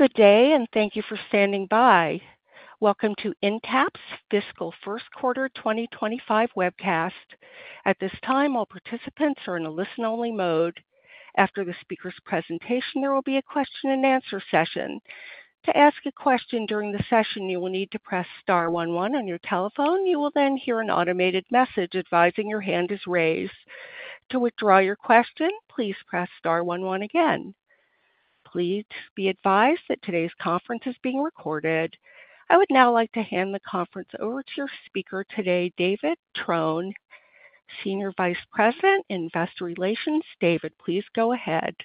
Good day, and thank you for standing by. Welcome to Intapp's Fiscal First Quarter 2025 webcast. At this time, all participants are in a listen-only mode. After the speaker's presentation, there will be a question-and-answer session. To ask a question during the session, you will need to press star one one on your telephone. You will then hear an automated message advising that your hand is raised. To withdraw your question, please press star one one again. Please be advised that today's conference is being recorded. I would now like to hand the conference over to your speaker today, David Trone, Senior Vice President, Investor Relations. David, please go ahead.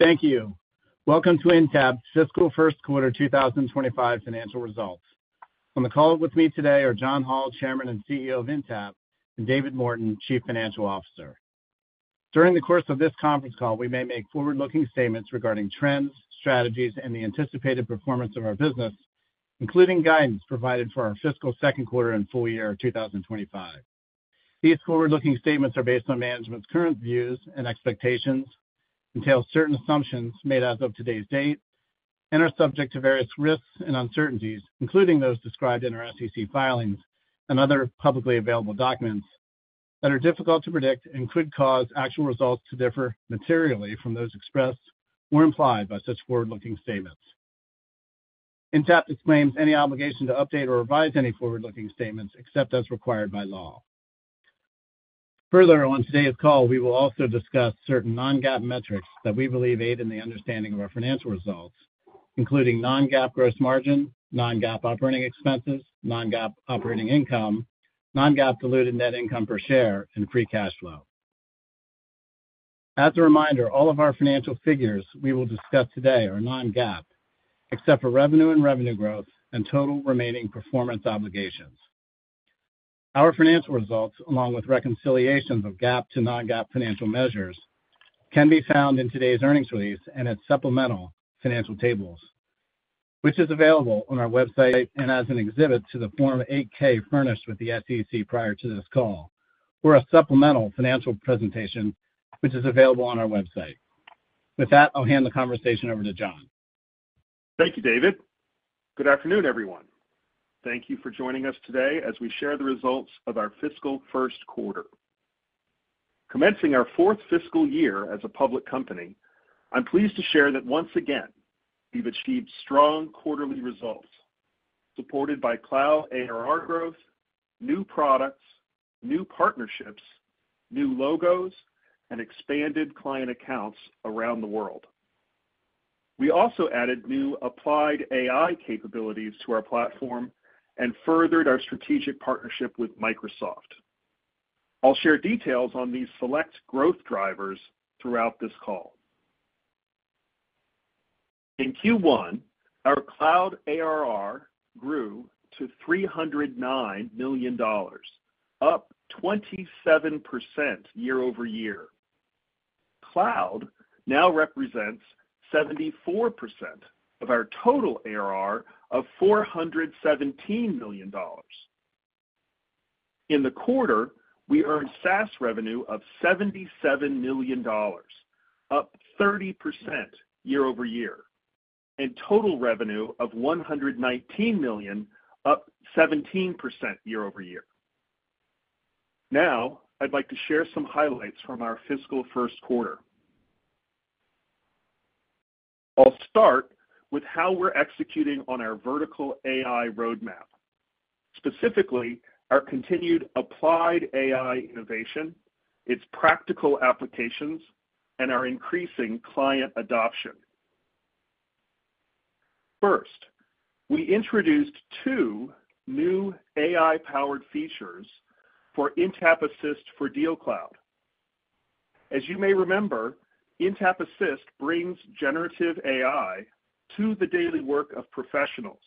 Thank you. Welcome to Intapp's Fiscal First Quarter 2025 financial results. On the call with me today are John Hall, Chairman and CEO of Intapp, and David Morton, Chief Financial Officer. During the course of this conference call, we may make forward-looking statements regarding trends, strategies, and the anticipated performance of our business, including guidance provided for our fiscal second quarter and full year 2025. These forward-looking statements are based on management's current views and expectations, entail certain assumptions made as of today's date, and are subject to various risks and uncertainties, including those described in our SEC filings and other publicly available documents that are difficult to predict and could cause actual results to differ materially from those expressed or implied by such forward-looking statements. Intapp disclaims any obligation to update or revise any forward-looking statements except as required by law. Further, on today's call, we will also discuss certain non-GAAP metrics that we believe aid in the understanding of our financial results, including non-GAAP gross margin, non-GAAP operating expenses, non-GAAP operating income, non-GAAP diluted net income per share, and free cash flow. As a reminder, all of our financial figures we will discuss today are non-GAAP, except for revenue and revenue growth and total remaining performance obligations. Our financial results, along with reconciliations of GAAP to non-GAAP financial measures, can be found in today's earnings release and its supplemental financial tables, which is available on our website, and as an exhibit to the Form 8-K furnished with the SEC prior to this call, or a supplemental financial presentation, which is available on our website. With that, I'll hand the conversation over to John. Thank you, David. Good afternoon, everyone. Thank you for joining us today as we share the results of our fiscal first quarter. Commencing our fourth fiscal year as a public company, I'm pleased to share that once again we've achieved strong quarterly results supported by cloud ARR growth, new products, new partnerships, new logos, and expanded client accounts around the world. We also added new applied AI capabilities to our platform and furthered our strategic partnership with Microsoft. I'll share details on these select growth drivers throughout this call. In Q1, our cloud ARR grew to $309 million, up 27% year-over-year. Cloud now represents 74% of our total ARR of $417 million. In the quarter, we earned SaaS revenue of $77 million, up 30% year-over-year, and total revenue of $119 million, up 17% year-over-year. Now, I'd like to share some highlights from our fiscal first quarter. I'll start with how we're executing on our vertical AI roadmap, specifically our continued applied AI innovation, its practical applications, and our increasing client adoption. First, we introduced two new AI-powered features for Intapp Assist for DealCloud. As you may remember, Intapp Assist brings generative AI to the daily work of professionals,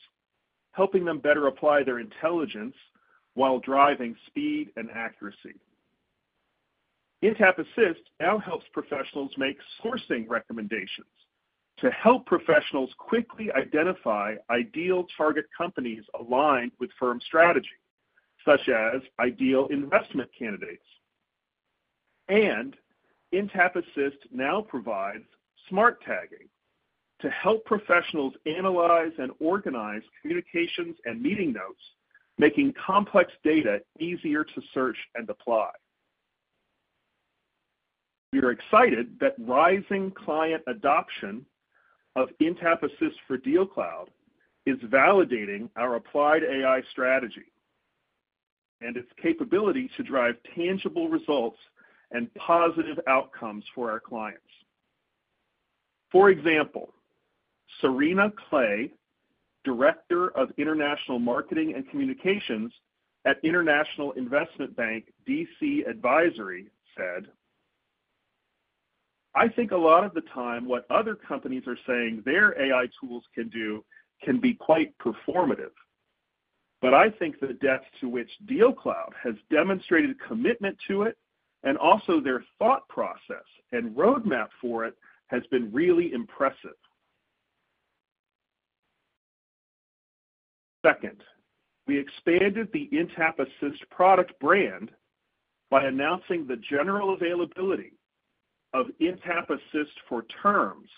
helping them better apply their intelligence while driving speed and accuracy. Intapp Assist now helps professionals make sourcing recommendations to help professionals quickly identify ideal target companies aligned with firm strategy, such as ideal investment candidates, and Intapp Assist now provides smart tagging to help professionals analyze and organize communications and meeting notes, making complex data easier to search and apply. We are excited that rising client adoption of Intapp Assist for DealCloud is validating our applied AI strategy and its capability to drive tangible results and positive outcomes for our clients. For example, Serena Clay, Director of International Marketing and Communications at International Investment Bank, DC Advisory, said, "I think a lot of the time what other companies are saying their AI tools can do can be quite performative. But I think the depth to which DealCloud has demonstrated commitment to it and also their thought process and roadmap for it has been really impressive." Second, we expanded the Intapp Assist product brand by announcing the general availability of Intapp Assist for Terms.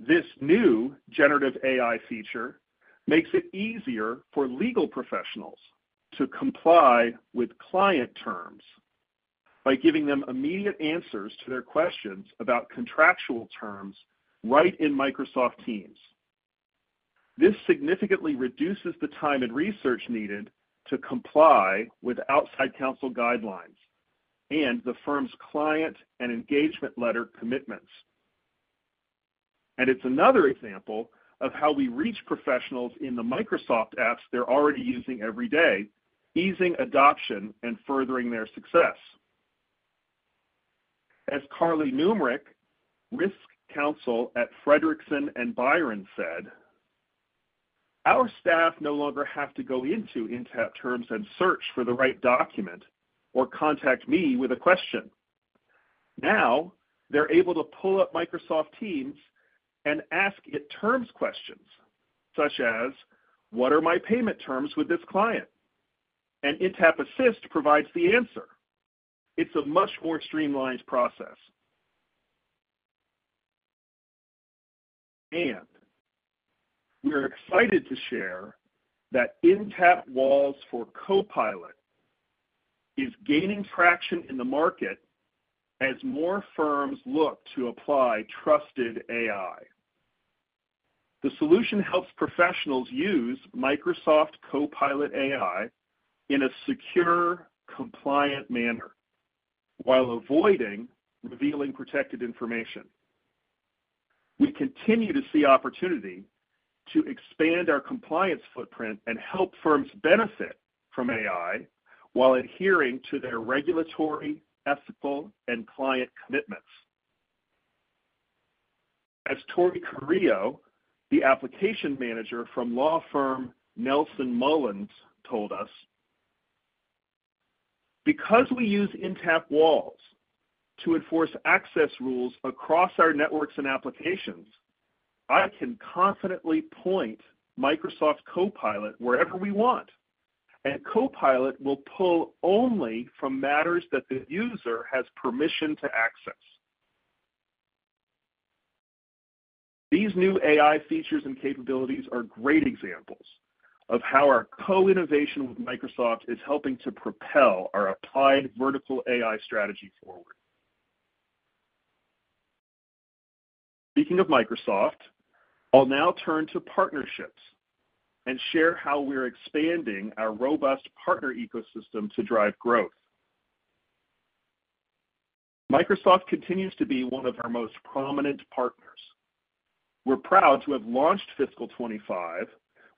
This new generative AI feature makes it easier for legal professionals to comply with client terms by giving them immediate answers to their questions about contractual terms right in Microsoft Teams. This significantly reduces the time and research needed to comply with outside counsel guidelines and the firm's client and engagement letter commitments. And it's another example of how we reach professionals in the Microsoft apps they're already using every day, easing adoption and furthering their success. As Carly Numrich, Risk Counsel at Fredrikson & Byron, said, "Our staff no longer have to go into Intapp Terms and search for the right document or contact me with a question. Now they're able to pull up Microsoft Teams and ask it Terms questions such as, 'What are my payment terms with this client?' And Intapp Assist provides the answer. It's a much more streamlined process." And we're excited to share that Intapp Walls for Copilot is gaining traction in the market as more firms look to apply trusted AI. The solution helps professionals use Microsoft Copilot AI in a secure, compliant manner while avoiding revealing protected information. We continue to see opportunity to expand our compliance footprint and help firms benefit from AI while adhering to their regulatory, ethical, and client commitments. As Torie Carrillo, the application manager from law firm Nelson Mullins, told us, "Because we use Intapp Walls to enforce access rules across our networks and applications, I can confidently point Microsoft Copilot wherever we want, and Copilot will pull only from matters that the user has permission to access." These new AI features and capabilities are great examples of how our co-innovation with Microsoft is helping to propel our applied vertical AI strategy forward. Speaking of Microsoft, I'll now turn to partnerships and share how we're expanding our robust partner ecosystem to drive growth. Microsoft continues to be one of our most prominent partners. We're proud to have launched fiscal 2025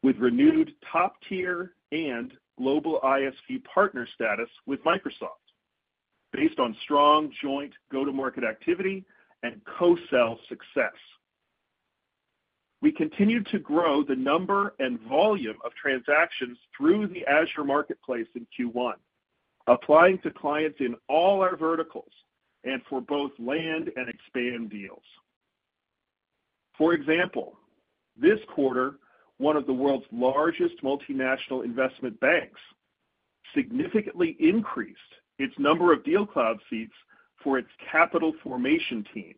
with renewed top-tier and global ISV partner status with Microsoft, based on strong joint go-to-market activity and co-sell success. We continue to grow the number and volume of transactions through the Azure Marketplace in Q1, applying to clients in all our verticals and for both land and expand deals. For example, this quarter, one of the world's largest multinational investment banks significantly increased its number of DealCloud seats for its capital formation team,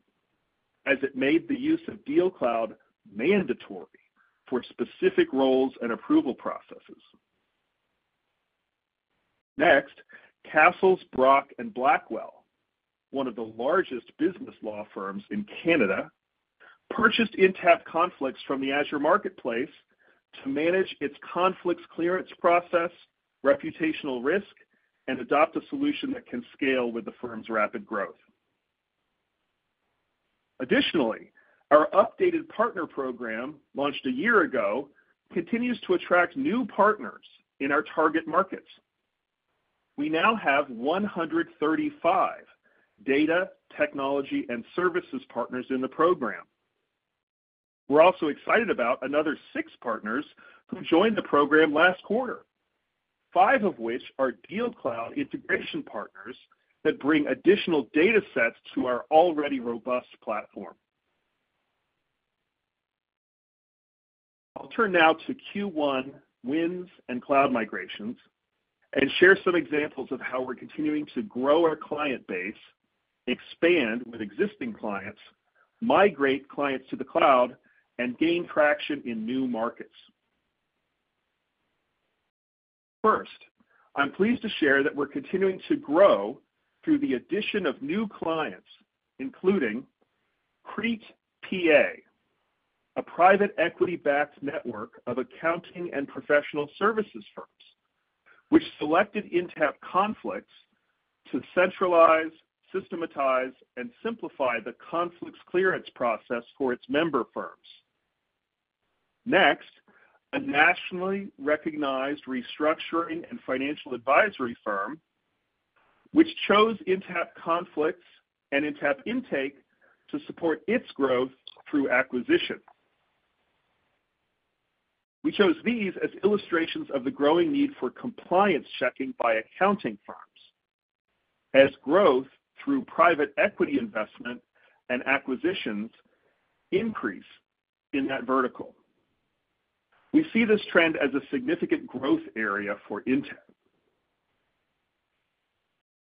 as it made the use of DealCloud mandatory for specific roles and approval processes. Next, Cassels Brock & Blackwell, one of the largest business law firms in Canada, purchased Intapp Conflicts from the Azure Marketplace to manage its conflicts clearance process, reputational risk, and adopt a solution that can scale with the firm's rapid growth. Additionally, our updated partner program, launched a year ago, continues to attract new partners in our target markets. We now have 135 data, technology, and services partners in the program. We're also excited about another six partners who joined the program last quarter, five of which are DealCloud integration partners that bring additional data sets to our already robust platform. I'll turn now to Q1 wins and cloud migrations and share some examples of how we're continuing to grow our client base, expand with existing clients, migrate clients to the cloud, and gain traction in new markets. First, I'm pleased to share that we're continuing to grow through the addition of new clients, including Crete PA, a private equity-backed network of accounting and professional services firms, which selected Intapp Conflicts to centralize, systematize, and simplify the conflicts clearance process for its member firms. Next, a nationally recognized restructuring and financial advisory firm, which chose Intapp Conflicts and Intapp Intake to support its growth through acquisition. We chose these as illustrations of the growing need for compliance checking by accounting firms, as growth through private equity investment and acquisitions increase in that vertical. We see this trend as a significant growth area for Intapp,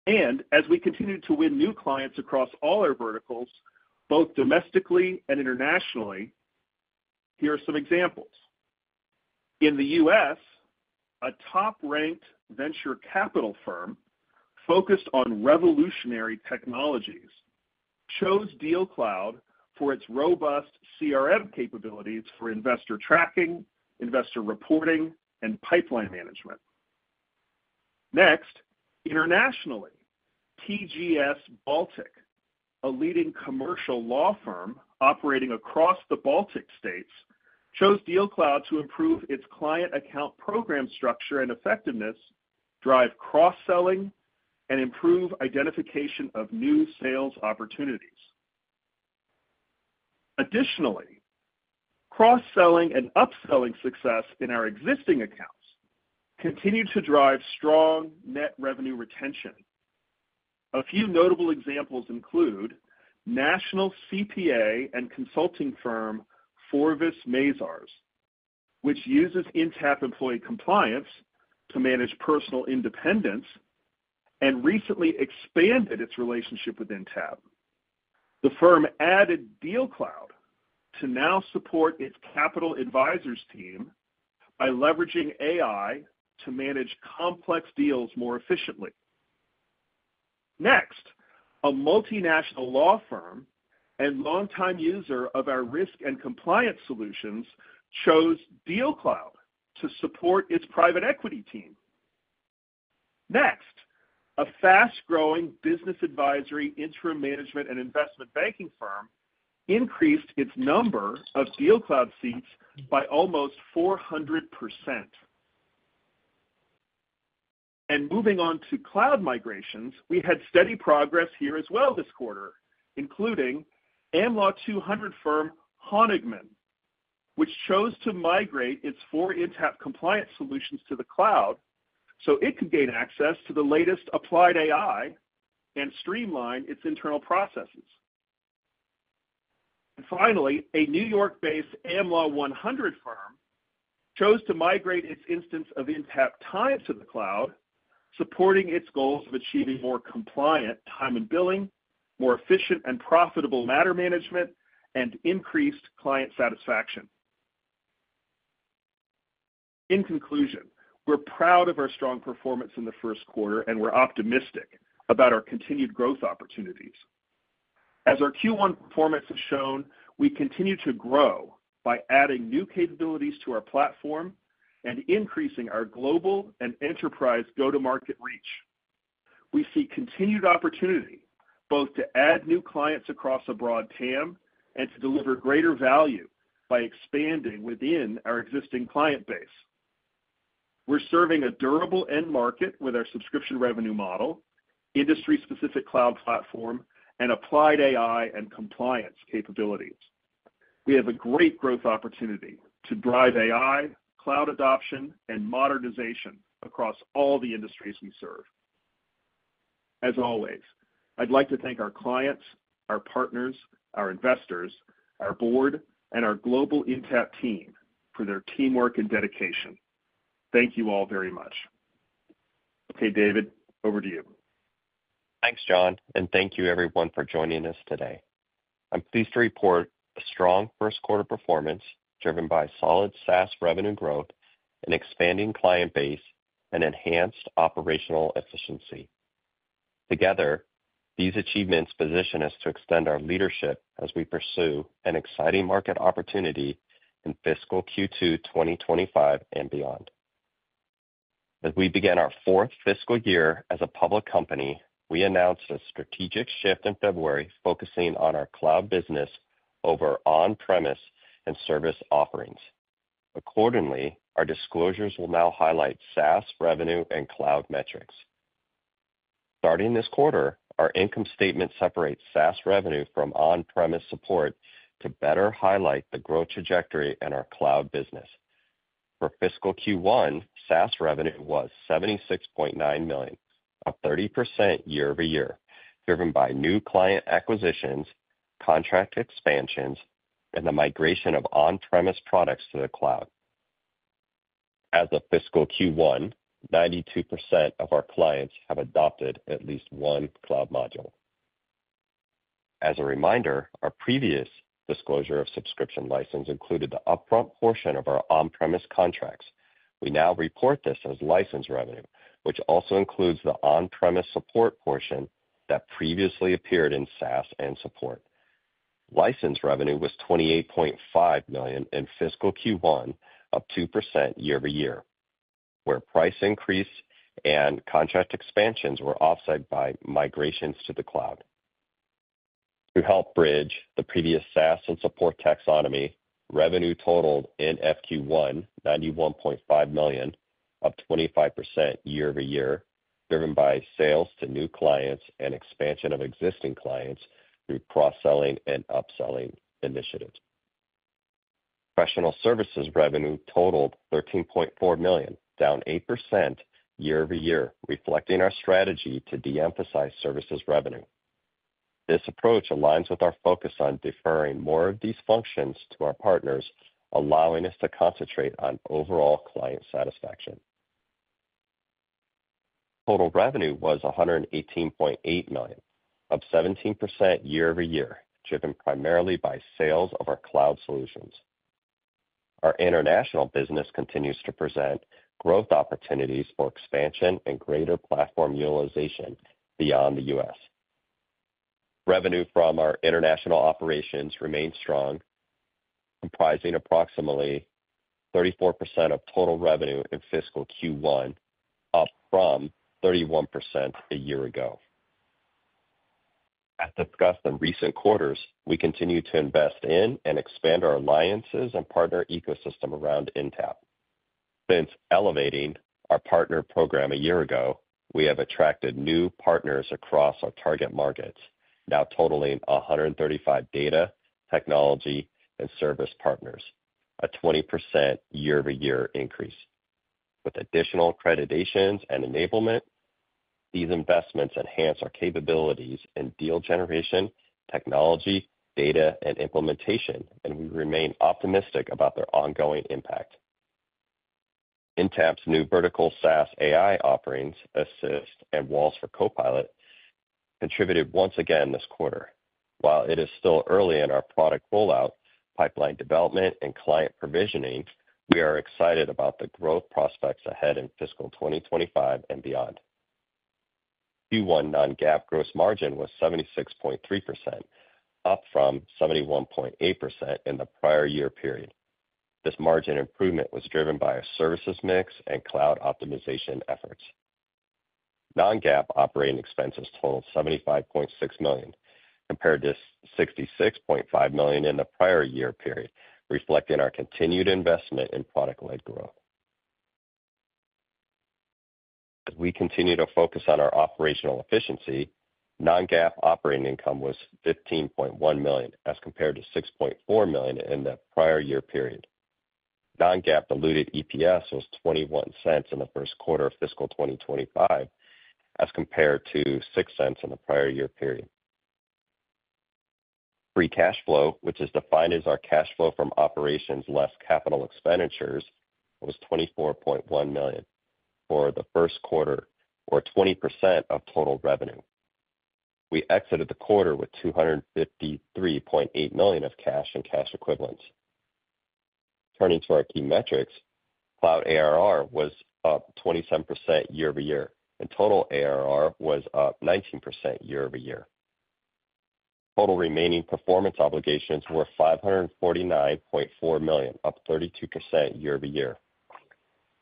and as we continue to win new clients across all our verticals, both domestically and internationally, here are some examples. In the U.S., a top-ranked venture capital firm focused on revolutionary technologies chose DealCloud for its robust CRM capabilities for investor tracking, investor reporting, and pipeline management. Next, internationally, TGS Baltic, a leading commercial law firm operating across the Baltic states, chose DealCloud to improve its client account program structure and effectiveness, drive cross-selling, and improve identification of new sales opportunities. Additionally, cross-selling and upselling success in our existing accounts continue to drive strong net revenue retention. A few notable examples include national CPA and consulting firm Forvis Mazars, which uses Intapp Employee Compliance to manage personal independence and recently expanded its relationship with Intapp. The firm added DealCloud to now support its capital advisors team by leveraging AI to manage complex deals more efficiently. Next, a multinational law firm and longtime user of our risk and compliance solutions chose DealCloud to support its private equity team. Next, a fast-growing business advisory interim management and investment banking firm increased its number of DealCloud seats by almost 400%. And moving on to cloud migrations, we had steady progress here as well this quarter, including Am Law 200 firm Honigman, which chose to migrate its four Intapp compliance solutions to the cloud so it could gain access to the latest applied AI and streamline its internal processes. And finally, a New York-based Am Law 100 firm chose to migrate its instance of Intapp Time to the cloud, supporting its goals of achieving more compliant time and billing, more efficient and profitable matter management, and increased client satisfaction. In conclusion, we're proud of our strong performance in the first quarter, and we're optimistic about our continued growth opportunities. As our Q1 performance has shown, we continue to grow by adding new capabilities to our platform and increasing our global and enterprise go-to-market reach. We see continued opportunity both to add new clients across a broad TAM and to deliver greater value by expanding within our existing client base. We're serving a durable end market with our subscription revenue model, industry-specific cloud platform, and applied AI and compliance capabilities. We have a great growth opportunity to drive AI, cloud adoption, and modernization across all the industries we serve. As always, I'd like to thank our clients, our partners, our investors, our board, and our global Intapp team for their teamwork and dedication. Thank you all very much. Okay, David, over to you. Thanks, John, and thank you everyone for joining us today. I'm pleased to report a strong first-quarter performance driven by solid SaaS revenue growth, an expanding client base, and enhanced operational efficiency. Together, these achievements position us to extend our leadership as we pursue an exciting market opportunity in fiscal Q2 2025 and beyond. As we begin our fourth fiscal year as a public company, we announced a strategic shift in February focusing on our cloud business over on-premise and service offerings. Accordingly, our disclosures will now highlight SaaS revenue and cloud metrics. Starting this quarter, our income statement separates SaaS revenue from on-premise support to better highlight the growth trajectory in our cloud business. For fiscal Q1, SaaS revenue was $76.9 million, up 30% year-over-year, driven by new client acquisitions, contract expansions, and the migration of on-premise products to the cloud. As of fiscal Q1, 92% of our clients have adopted at least one cloud module. As a reminder, our previous disclosure of subscription license included the upfront portion of our on-premise contracts. We now report this as license revenue, which also includes the on-premise support portion that previously appeared in SaaS and support. License revenue was $28.5 million in fiscal Q1, up 2% year-over-year, where price increase and contract expansions were offset by migrations to the cloud. To help bridge the previous SaaS and support taxonomy, revenue totaled in FQ1, $91.5 million, up 25% year-over-year, driven by sales to new clients and expansion of existing clients through cross-selling and upselling initiatives. Professional services revenue totaled $13.4 million, down 8% year-over-year, reflecting our strategy to de-emphasize services revenue. This approach aligns with our focus on deferring more of these functions to our partners, allowing us to concentrate on overall client satisfaction. Total revenue was $118.8 million, up 17% year-over-year, driven primarily by sales of our cloud solutions. Our international business continues to present growth opportunities for expansion and greater platform utilization beyond the U.S. Revenue from our international operations remained strong, comprising approximately 34% of total revenue in fiscal Q1, up from 31% a year ago. As discussed in recent quarters, we continue to invest in and expand our alliances and partner ecosystem around Intapp. Since elevating our partner program a year ago, we have attracted new partners across our target markets, now totaling 135 data, technology, and service partners, a 20% year-over-year increase. With additional accreditations and enablement, these investments enhance our capabilities in deal generation, technology, data, and implementation, and we remain optimistic about their ongoing impact. Intapp's new vertical SaaS AI offerings, Assist and Walls for Copilot, contributed once again this quarter. While it is still early in our product rollout, pipeline development, and client provisioning, we are excited about the growth prospects ahead in fiscal 2025 and beyond. Q1 non-GAAP gross margin was 76.3%, up from 71.8% in the prior year period. This margin improvement was driven by our services mix and cloud optimization efforts. Non-GAAP operating expenses totaled $75.6 million, compared to $66.5 million in the prior year period, reflecting our continued investment in product-led growth. As we continue to focus on our operational efficiency, non-GAAP operating income was $15.1 million, as compared to $6.4 million in the prior year period. Non-GAAP diluted EPS was $0.21 in the first quarter of fiscal 2025, as compared to $0.06 in the prior year period. Free cash flow, which is defined as our cash flow from operations less capital expenditures, was $24.1 million for the first quarter, or 20% of total revenue. We exited the quarter with $253.8 million of cash and cash equivalents. Turning to our key metrics, cloud ARR was up 27% year-over-year, and total ARR was up 19% year-over-year. Total remaining performance obligations were $549.4 million, up 32% year-over-year.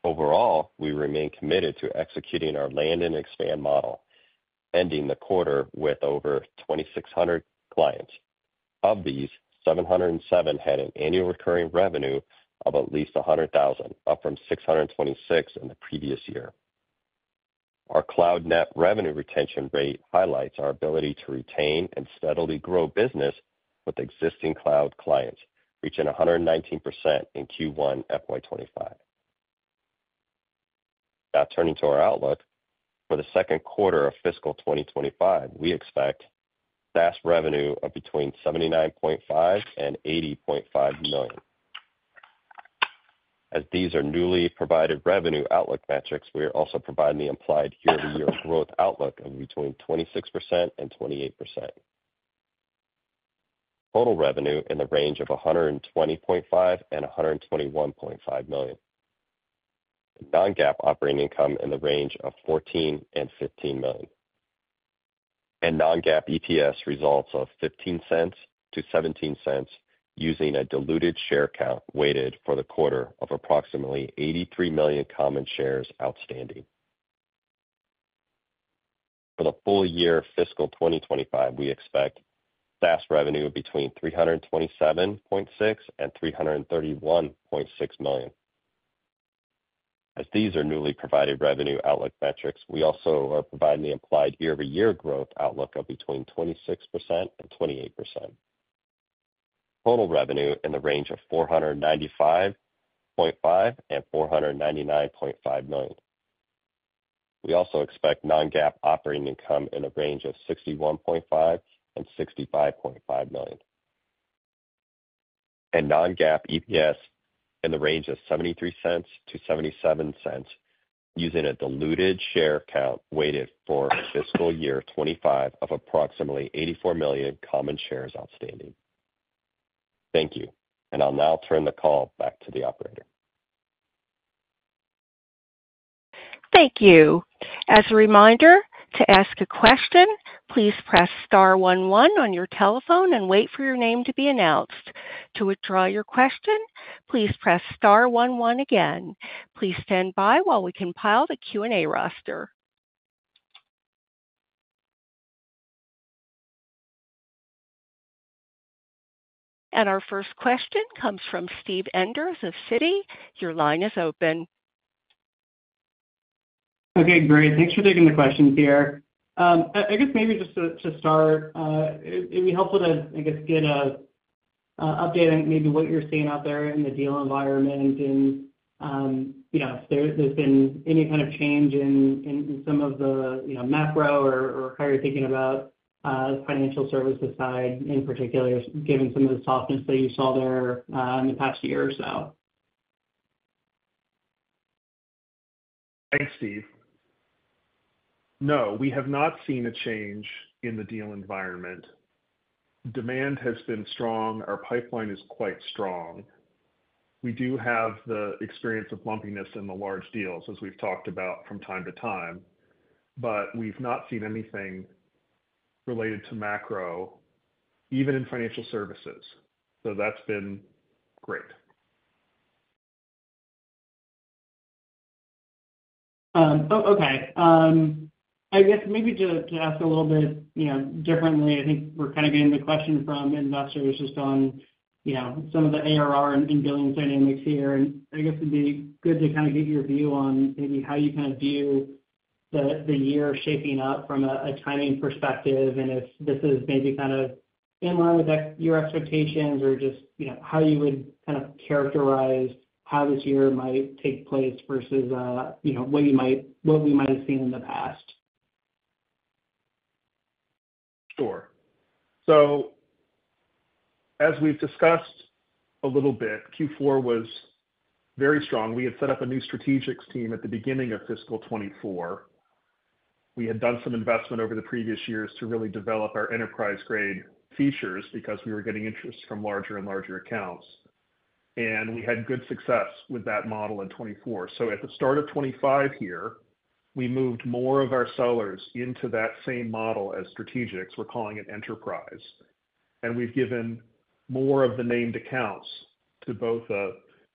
Overall, we remain committed to executing our land and expand model, ending the quarter with over 2,600 clients. Of these, 707 had an annual recurring revenue of at least $100,000, up from 626 in the previous year. Our cloud net revenue retention rate highlights our ability to retain and steadily grow business with existing cloud clients, reaching 119% in Q1 FY 2025. Now, turning to our outlook for the second quarter of fiscal 2025, we expect SaaS revenue of between $79.5 million and $80.5 million. As these are newly provided revenue outlook metrics, we are also providing the implied year-over-year growth outlook of between 26% and 28%. Total revenue in the range of $120.5 million and $121.5 million. Non-GAAP operating income in the range of $14 million and $15 million. And non-GAAP EPS results of $0.15-$0.17 using a diluted share count weighted for the quarter of approximately 83 million common shares outstanding. For the full year fiscal 2025, we expect SaaS revenue between $327.6 million and $331.6 million. As these are newly provided revenue outlook metrics, we also are providing the implied year-over-year growth outlook of between 26% and 28%. Total revenue in the range of $495.5 million and $499.5 million. We also expect non-GAAP operating income in the range of $61.5 million and $65.5 million. Non-GAAP EPS in the range of $0.73-$0.77 using a diluted share count weighted for fiscal year 2025 of approximately 84 million common shares outstanding. Thank you, and I'll now turn the call back to the operator. Thank you. As a reminder, to ask a question, please press star one one on your telephone and wait for your name to be announced. To withdraw your question, please press star one one again. Please stand by while we compile the Q&A roster. Our first question comes from Steve Enders of Citi. Your line is open. Okay, great. Thanks for taking the question here. I guess maybe just to start, it'd be helpful to, I guess, get an update on maybe what you're seeing out there in the deal environment and if there's been any kind of change in some of the macro or how you're thinking about financial services side in particular, given some of the softness that you saw there in the past year or so. Thanks, Steve. No, we have not seen a change in the deal environment. Demand has been strong. Our pipeline is quite strong. We do have the experience of lumpiness in the large deals, as we've talked about from time to time, but we've not seen anything related to macro, even in financial services. So that's been great. Oh, okay. I guess maybe to ask a little bit differently. I think we're kind of getting the question from investors just on some of the ARR and billing dynamics here. And I guess it'd be good to kind of get your view on maybe how you kind of view the year shaping up from a timing perspective and if this is maybe kind of in line with your expectations or just how you would kind of characterize how this year might take place versus what we might have seen in the past. Sure. So as we've discussed a little bit, Q4 was very strong. We had set up a new strategics team at the beginning of fiscal 2024. We had done some investment over the previous years to really develop our enterprise-grade features because we were getting interest from larger and larger accounts. We had good success with that model in 2024. At the start of 2025 here, we moved more of our sellers into that same model as strategics. We're calling it enterprise. We've given more of the named accounts to both a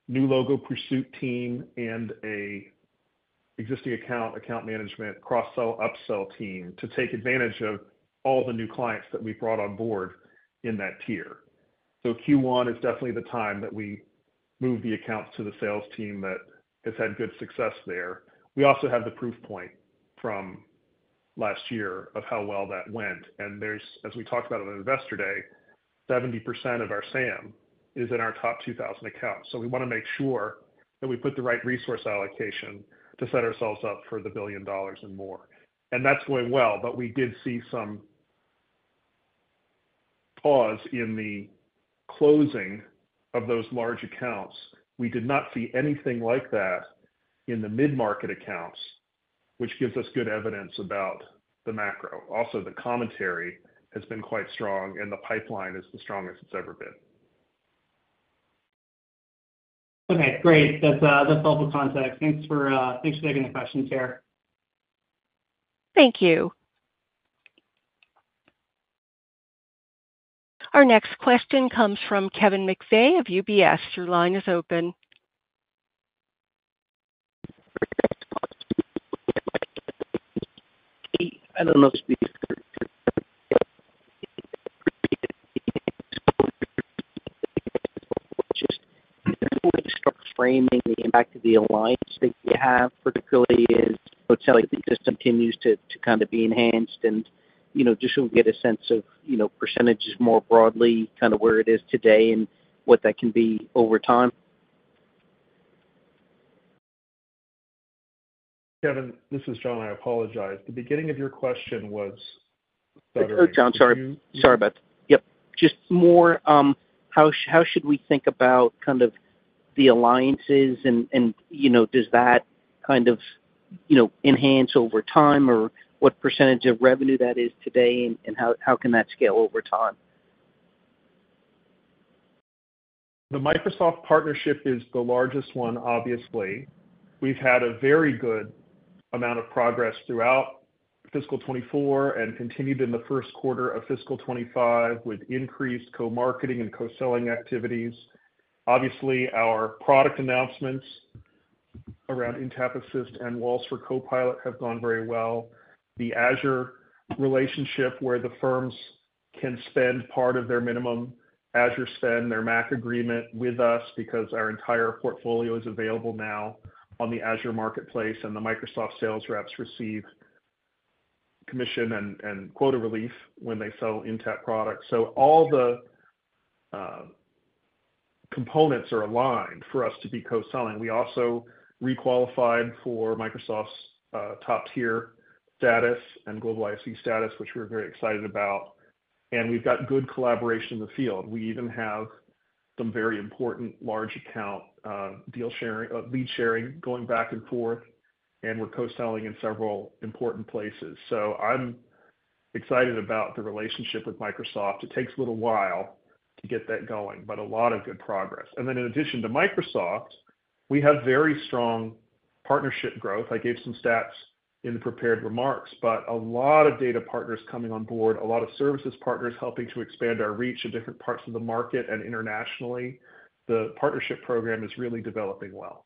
new logo pursuit team and an existing account, account management, cross-sell, upsell team to take advantage of all the new clients that we brought on board in that tier. Q1 is definitely the time that we moved the accounts to the sales team that has had good success there. We also have the proof point from last year of how well that went. As we talked about on Investor Day, 70% of our SAM is in our top 2,000 accounts. We want to make sure that we put the right resource allocation to set ourselves up for $1 billion and more. And that's going well, but we did see some pause in the closing of those large accounts. We did not see anything like that in the mid-market accounts, which gives us good evidence about the macro. Also, the commentary has been quite strong, and the pipeline is the strongest it's ever been. Okay, great. That's helpful context. Thanks for taking the questions here. Thank you. Our next question comes from Kevin McVeigh of UBS. Your line is open. I don't know if you just start framing the impact of the alliance that you have, particularly as the whole ecosystem continues to kind of be enhanced. And just so we get a sense of percentages more broadly, kind of where it is today and what that can be over time. Kevin, this is John. I apologize. The beginning of your question was better. Oh, John, sorry. Sorry about that. Yep. Just more, how should we think about kind of the alliances? And does that kind of enhance over time, or what percentage of revenue that is today, and how can that scale over time? The Microsoft partnership is the largest one, obviously. We've had a very good amount of progress throughout fiscal 2024 and continued in the first quarter of fiscal 2025 with increased co-marketing and co-selling activities. Obviously, our product announcements around Intapp Assist and Walls for Copilot have gone very well. The Azure relationship where the firms can spend part of their minimum Azure spend, their MACC agreement with us because our entire portfolio is available now on the Azure marketplace, and the Microsoft sales reps receive commission and quota relief when they sell Intapp products. So all the components are aligned for us to be co-selling. We also requalified for Microsoft's top-tier status and global ISV status, which we're very excited about. And we've got good collaboration in the field. We even have some very important large account deal lead sharing going back and forth, and we're co-selling in several important places. So I'm excited about the relationship with Microsoft. It takes a little while to get that going, but a lot of good progress. And then, in addition to Microsoft, we have very strong partnership growth. I gave some stats in the prepared remarks, but a lot of data partners coming on board, a lot of services partners helping to expand our reach to different parts of the market and internationally. The partnership program is really developing well.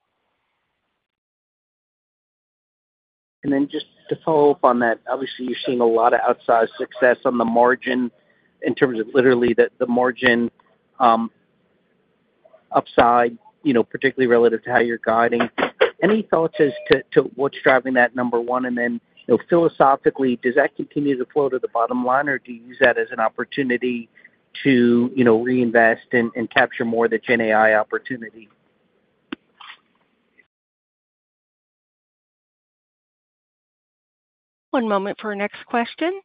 And then just to follow up on that, obviously, you've seen a lot of outsized success on the margin in terms of literally the margin upside, particularly relative to how you're guiding. Any thoughts as to what's driving that number one? And then philosophically, does that continue to flow to the bottom line, or do you use that as an opportunity to reinvest and capture more of the GenAI opportunity? One moment for our next question.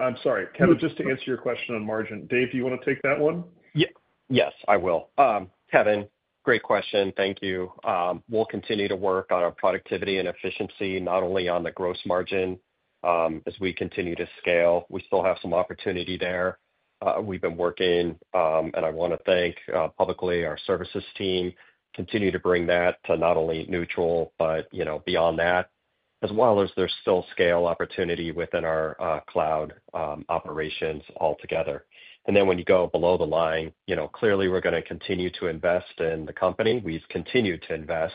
I'm sorry. Kevin, just to answer your question on margin. Dave, do you want to take that one? Yes, I will. Kevin, great question. Thank you. We'll continue to work on our productivity and efficiency, not only on the gross margin as we continue to scale. We still have some opportunity there. We've been working, and I want to thank publicly our services team, continue to bring that to not only neutral, but beyond that, as well as there's still scale opportunity within our cloud operations altogether. And then when you go below the line, clearly we're going to continue to invest in the company. We've continued to invest.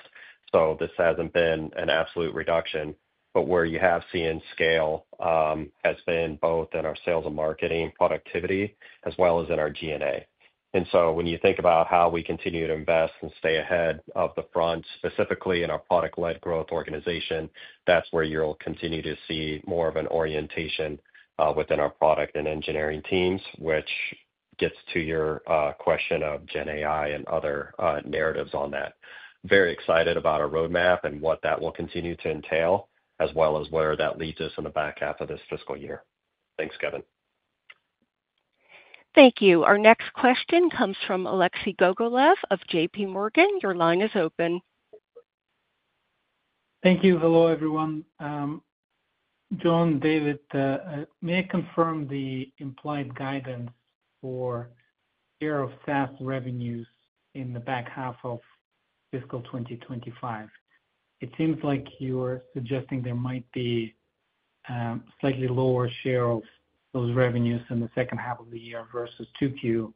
So this hasn't been an absolute reduction, but where you have seen scale has been both in our sales and marketing productivity, as well as in our G&A. And so when you think about how we continue to invest and stay ahead of the front, specifically in our product-led growth organization, that's where you'll continue to see more of an orientation within our product and engineering teams, which gets to your question of GenAI and other narratives on that. Very excited about our roadmap and what that will continue to entail, as well as where that leads us in the back half of this fiscal year. Thanks, Kevin. Thank you. Our next question comes from Alexei Gogolev of JPMorgan. Your line is open. Thank you. Hello, everyone. John, David, may I confirm the implied guidance for share of SaaS revenues in the back half of fiscal 2025? It seems like you're suggesting there might be a slightly lower share of those revenues in the second half of the year versus 2Q.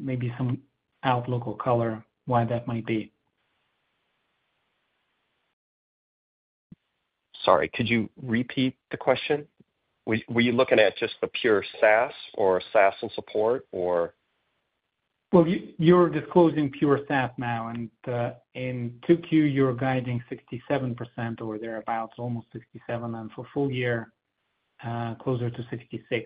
Maybe some outlook or color why that might be. Sorry, could you repeat the question? Were you looking at just the pure SaaS or SaaS and support, or? Well, you're disclosing pure SaaS now. In 2Q, you're guiding 67% or thereabouts, almost 67%, and for full year, closer to 66%.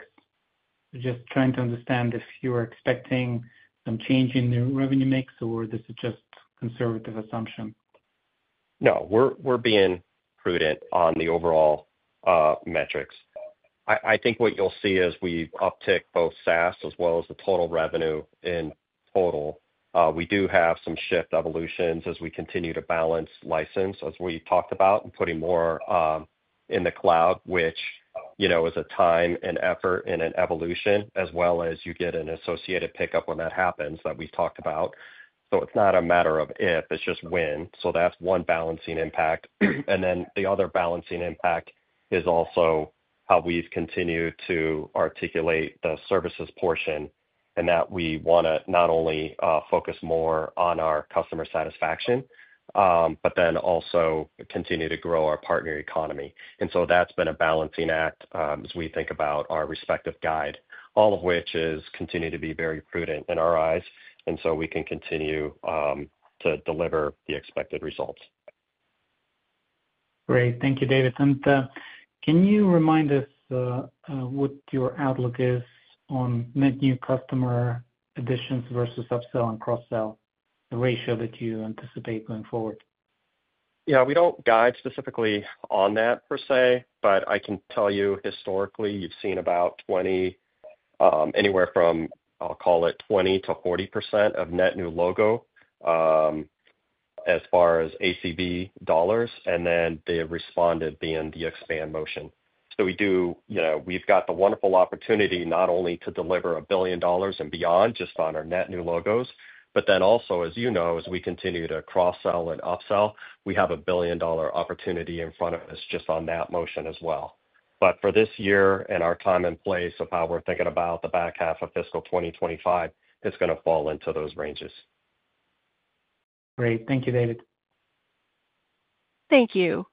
Just trying to understand if you were expecting some change in the revenue mix, or this is just a conservative assumption? No, we're being prudent on the overall metrics. I think what you'll see as we uptick both SaaS as well as the total revenue in total, we do have some shift evolutions as we continue to balance license, as we talked about, and putting more in the cloud, which is a time and effort and an evolution, as well as you get an associated pickup when that happens that we've talked about, so it's not a matter of if, it's just when, so that's one balancing impact, and then the other balancing impact is also how we've continued to articulate the services portion and that we want to not only focus more on our customer satisfaction, but then also continue to grow our partner economy. And so, that's been a balancing act as we think about our respective guide, all of which is continuing to be very prudent in our eyes, and so we can continue to deliver the expected results. Great. Thank you, David. And can you remind us what your outlook is on net new customer additions versus upsell and cross-sell, the ratio that you anticipate going forward? Yeah, we don't guide specifically on that per se, but I can tell you historically, you've seen about anywhere from, I'll call it 20%-40% of net new logo as far as ACV dollars, and then they have responded via the expand motion. So we've got the wonderful opportunity not only to deliver $1 billion and beyond just on our net new logos, but then also, as you know, as we continue to cross-sell and upsell, we have a $1 billion opportunity in front of us just on that motion as well. But for this year and our time in place of how we're thinking about the back half of fiscal 2025, it's going to fall into those ranges. Great. Thank you, David. Thank you.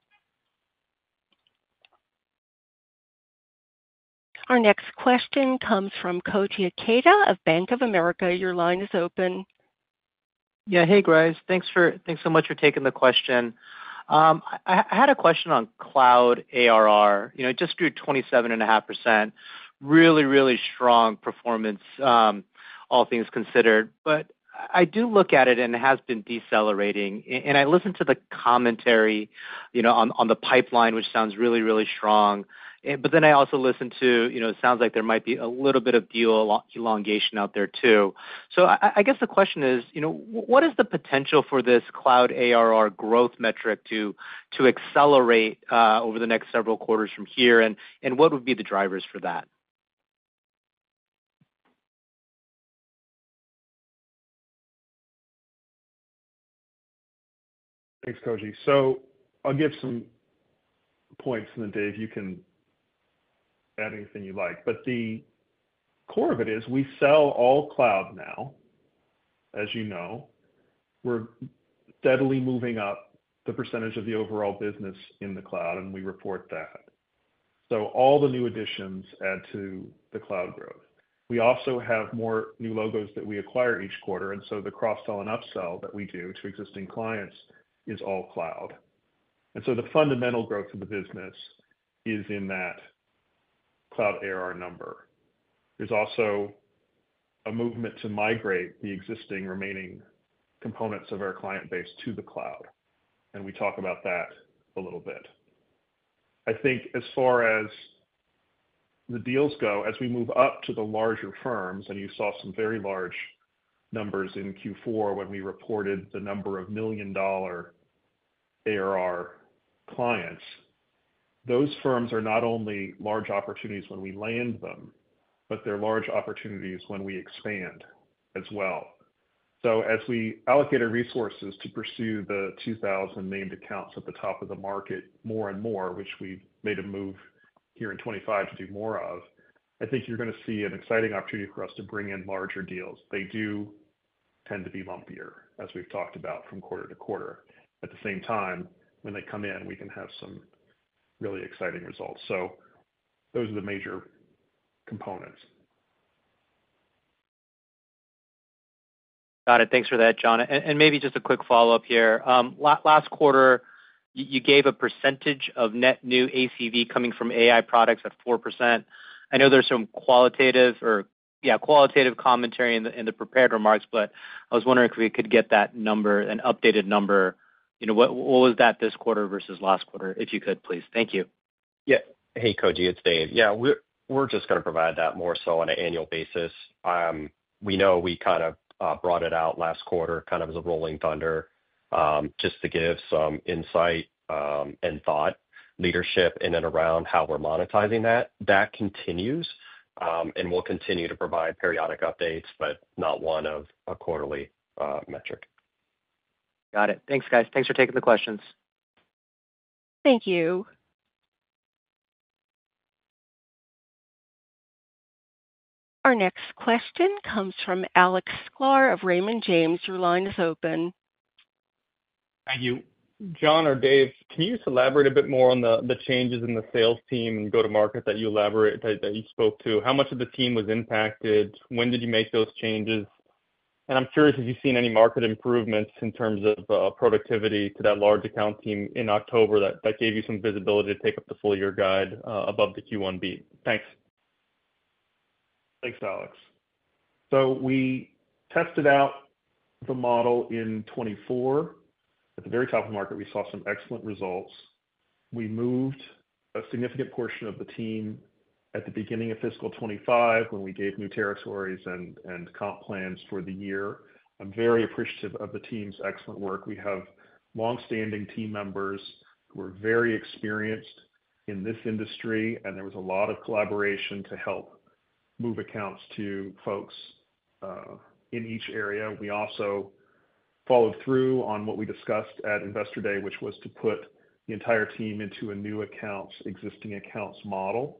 Our next question comes from Koji Ikeda of Bank of America. Your line is open. Yeah. Hey, Dave. Thanks so much for taking the question. I had a question on cloud ARR. It just grew 27.5%. Really, really strong performance, all things considered. But I do look at it, and it has been decelerating. And I listened to the commentary on the pipeline, which sounds really, really strong. But then I also listened to it. Sounds like there might be a little bit of deal elongation out there too. So I guess the question is, what is the potential for this cloud ARR growth metric to accelerate over the next several quarters from here, and what would be the drivers for that? Thanks, Koji. So I'll give some points, and then Dave, you can add anything you like. But the core of it is we sell all cloud now, as you know. We're steadily moving up the percentage of the overall business in the cloud, and we report that. So all the new additions add to the cloud growth. We also have more new logos that we acquire each quarter. And so the cross-sell and upsell that we do to existing clients is all cloud. And so the fundamental growth of the business is in that cloud ARR number. There's also a movement to migrate the existing remaining components of our client base to the cloud. And we talk about that a little bit. I think as far as the deals go, as we move up to the larger firms, and you saw some very large numbers in Q4 when we reported the number of million-dollar ARR clients, those firms are not only large opportunities when we land them, but they're large opportunities when we expand as well. So as we allocate our resources to pursue the 2,000 named accounts at the top of the market more and more, which we've made a move here in 2025 to do more of, I think you're going to see an exciting opportunity for us to bring in larger deals. They do tend to be lumpier, as we've talked about from quarter-to-quarter. At the same time, when they come in, we can have some really exciting results. So those are the major components. Got it. Thanks for that, John. And maybe just a quick follow-up here. Last quarter, you gave a percentage of net new ACV coming from AI products at 4%. I know there's some qualitative or, yeah, qualitative commentary in the prepared remarks, but I was wondering if we could get that number, an updated number. What was that this quarter versus last quarter, if you could, please? Thank you. Yeah. Hey, Koji. It's Dave. Yeah, we're just going to provide that more so on an annual basis. We know we kind of brought it out last quarter kind of as a rolling thunder just to give some insight and thought leadership in and around how we're monetizing that. That continues, and we'll continue to provide periodic updates, but not one of a quarterly metric. Got it. Thanks, guys. Thanks for taking the questions. Thank you. Our next question comes from Alex Sklar of Raymond James. Your line is open. Thank you. John or Dave, can you elaborate a bit more on the changes in the sales team and go-to-market that you spoke to? How much of the team was impacted? When did you make those changes? And I'm curious, have you seen any market improvements in terms of productivity to that large account team in October that gave you some visibility to take up the full-year guide above the Q1 beat? Thanks. Thanks, Alex. So we tested out the model in 2024. At the very top of the market, we saw some excellent results. We moved a significant portion of the team at the beginning of fiscal 2025 when we gave new territories and comp plans for the year. I'm very appreciative of the team's excellent work. We have long-standing team members who are very experienced in this industry, and there was a lot of collaboration to help move accounts to folks in each area. We also followed through on what we discussed at Investor Day, which was to put the entire team into a new accounts, existing accounts model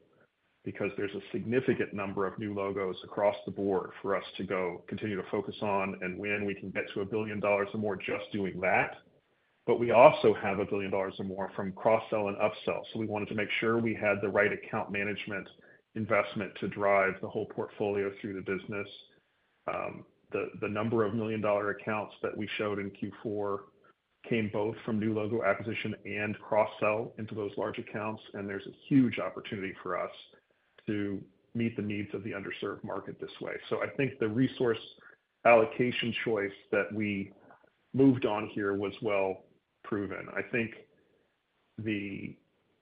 because there's a significant number of new logos across the board for us to continue to focus on and when we can get to $1 billion or more just doing that. But we also have $1 billion or more from cross-sell and upsell. So we wanted to make sure we had the right account management investment to drive the whole portfolio through the business. The number of million-dollar accounts that we showed in Q4 came both from new logo acquisition and cross-sell into those large accounts, and there's a huge opportunity for us to meet the needs of the underserved market this way. So I think the resource allocation choice that we moved on here was well proven. I think the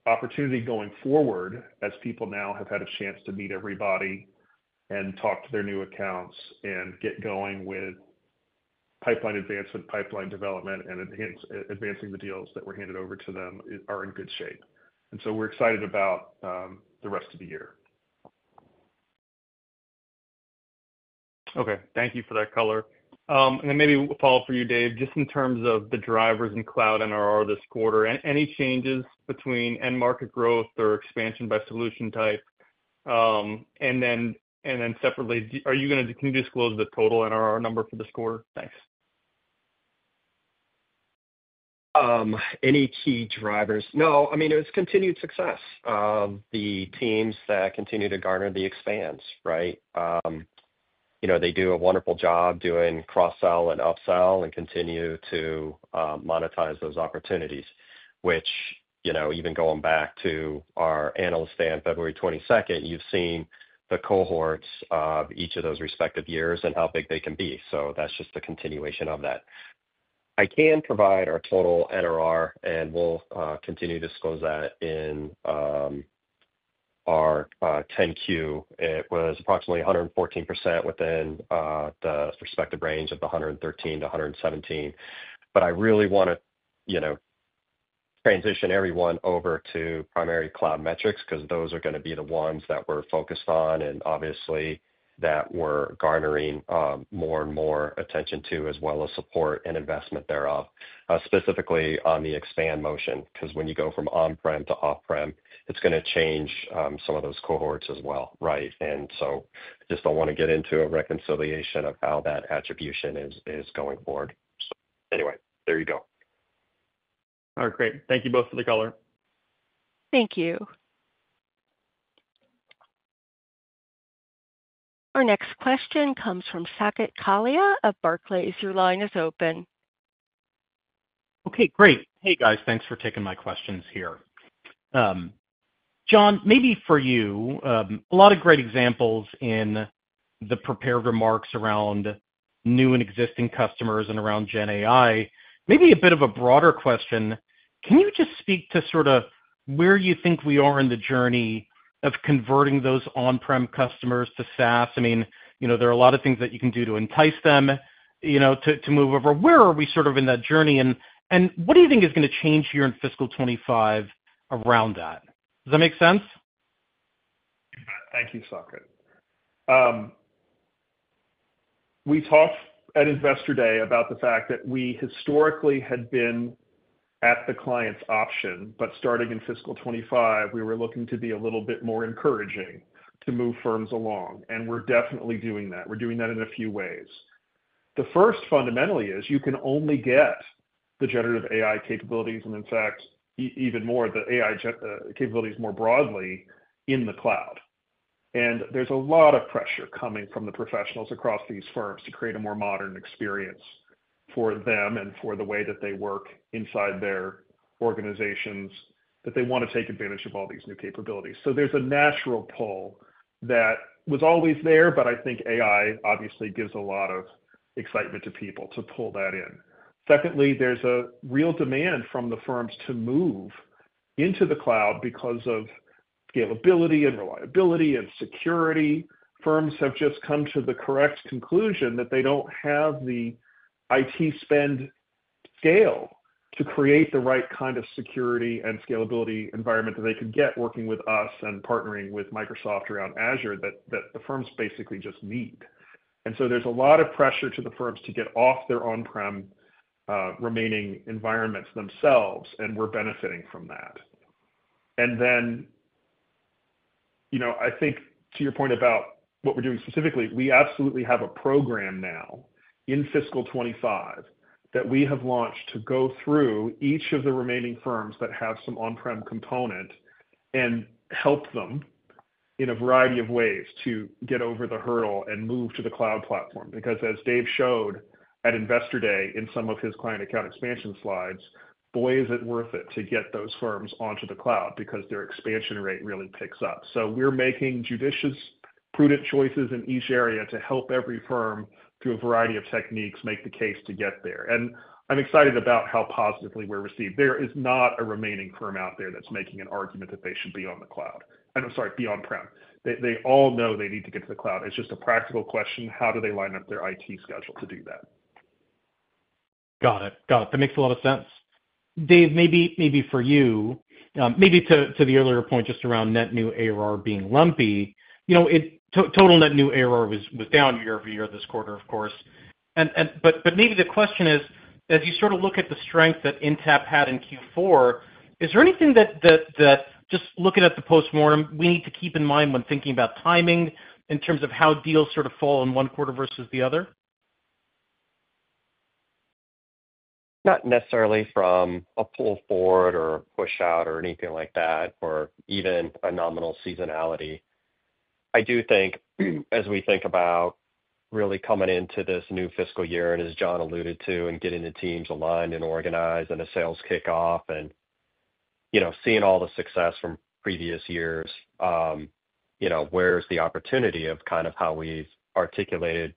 opportunity going forward, as people now have had a chance to meet everybody and talk to their new accounts and get going with pipeline advancement, pipeline development, and advancing the deals that were handed over to them are in good shape. And so we're excited about the rest of the year. Okay. Thank you for that color. And then maybe we'll follow up for you, Dave, just in terms of the drivers in cloud NRR this quarter. Any changes between end market growth or expansion by solution type? And then separately, are you going to disclose the total NRR number for this quarter? Thanks. Any key drivers? No. I mean, it was continued success. The teams that continue to garner the expands, right? They do a wonderful job doing cross-sell and upsell and continue to monetize those opportunities, which even going back to our analyst day February 22nd, you've seen the cohorts of each of those respective years and how big they can be. So that's just the continuation of that. I can provide our total NRR, and we'll continue to disclose that in our 10-Q. It was approximately 114% within the respective range of 113%-117%. But I really want to transition everyone over to primary cloud metrics because those are going to be the ones that we're focused on and obviously that we're garnering more and more attention to as well as support and investment thereof, specifically on the expand motion because when you go from on-prem to off-prem, it's going to change some of those cohorts as well, right? And so I just don't want to get into a reconciliation of how that attribution is going forward. So anyway, there you go. All right. Great. Thank you both for the color. Thank you. Our next question comes from Saket Kalia of Barclays. Your line is open. Okay. Great. Hey, guys. Thanks for taking my questions here. John, maybe for you, a lot of great examples in the prepared remarks around new and existing customers and around GenAI. Maybe a bit of a broader question. Can you just speak to sort of where you think we are in the journey of converting those on-prem customers to SaaS? I mean, there are a lot of things that you can do to entice them to move over. Where are we sort of in that journey? And what do you think is going to change here in fiscal 2025 around that? Does that make sense? Thank you, Saket. We talked at Investor Day about the fact that we historically had been at the client's option, but starting in fiscal 2025, we were looking to be a little bit more encouraging to move firms along. And we're definitely doing that. We're doing that in a few ways. The first fundamentally is you can only get the generative AI capabilities and, in fact, even more of the AI capabilities more broadly in the cloud. And there's a lot of pressure coming from the professionals across these firms to create a more modern experience for them and for the way that they work inside their organizations that they want to take advantage of all these new capabilities. So there's a natural pull that was always there, but I think AI obviously gives a lot of excitement to people to pull that in. Secondly, there's a real demand from the firms to move into the cloud because of scalability and reliability and security. Firms have just come to the correct conclusion that they don't have the IT spend scale to create the right kind of security and scalability environment that they can get working with us and partnering with Microsoft around Azure that the firms basically just need. And so there's a lot of pressure to the firms to get off their on-prem remaining environments themselves, and we're benefiting from that. And then I think to your point about what we're doing specifically, we absolutely have a program now in fiscal 2025 that we have launched to go through each of the remaining firms that have some on-prem component and help them in a variety of ways to get over the hurdle and move to the cloud platform. Because as Dave showed at Investor Day in some of his client account expansion slides, boy, is it worth it to get those firms onto the cloud because their expansion rate really picks up. So we're making judicious, prudent choices in each area to help every firm through a variety of techniques make the case to get there. And I'm excited about how positively we're received. There is not a remaining firm out there that's making an argument that they should be on the cloud. I'm sorry, be on-prem. They all know they need to get to the cloud. It's just a practical question. How do they line up their IT schedule to do that? Got it. Got it. That makes a lot of sense. Dave, maybe for you, maybe to the earlier point just around net new ARR being lumpy, total net new ARR was down year-over-year this quarter, of course. But maybe the question is, as you sort of look at the strength that Intapp had in Q4, is there anything that just looking at the post-mortem, we need to keep in mind when thinking about timing in terms of how deals sort of fall in one quarter versus the other? Not necessarily from a pull forward or a push out or anything like that or even a nominal seasonality. I do think as we think about really coming into this new fiscal year and as John alluded to and getting the teams aligned and organized and the sales kick off and seeing all the success from previous years, where's the opportunity of kind of how we've articulated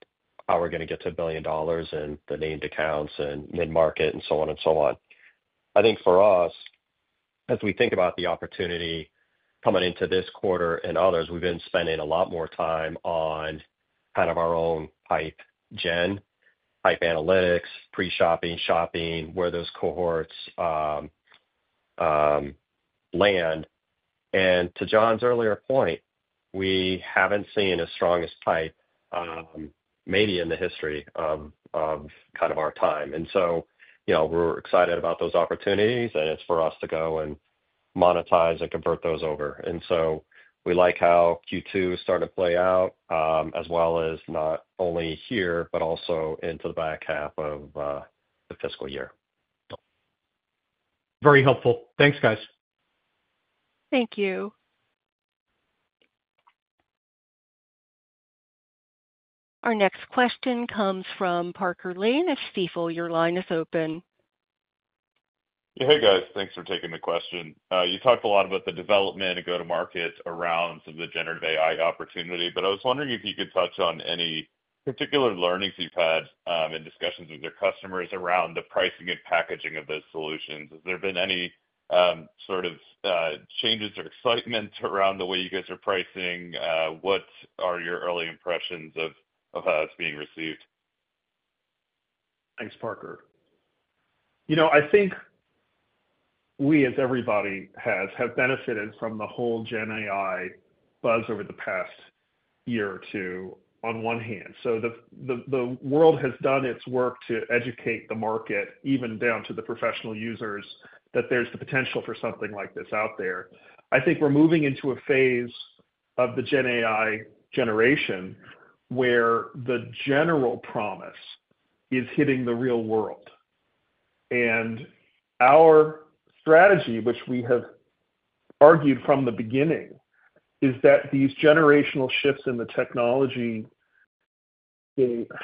how we're going to get to $1 billion and the named accounts and mid-market and so on and so on. I think for us, as we think about the opportunity coming into this quarter and others, we've been spending a lot more time on kind of our own pipe gen, pipe analytics, pre-shopping, shopping, where those cohorts land. And to John's earlier point, we haven't seen as strong as pipe maybe in the history of kind of our time. And so we're excited about those opportunities, and it's for us to go and monetize and convert those over. And so we like how Q2 started to play out as well as not only here, but also into the back half of the fiscal year. Very helpful. Thanks, guys. Thank you. Our next question comes from Parker Lane at Stifel. Your line is open. Hey, guys. Thanks for taking the question. You talked a lot about the development and go-to-market around some of the generative AI opportunity, but I was wondering if you could touch on any particular learnings you've had in discussions with your customers around the pricing and packaging of those solutions. Has there been any sort of changes or excitement around the way you guys are pricing? What are your early impressions of how it's being received? Thanks, Parker. I think we, as everybody has, have benefited from the whole GenAI buzz over the past year or two on one hand. So the world has done its work to educate the market, even down to the professional users, that there's the potential for something like this out there. I think we're moving into a phase of the GenAI generation where the general promise is hitting the real world. And our strategy, which we have argued from the beginning, is that these generational shifts in the technology